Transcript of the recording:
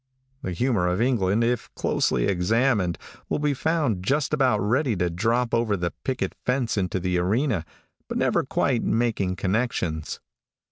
The humor of England, if closely examined, will be found just about ready to drop over the picket fence into the arena, but never quite making connections.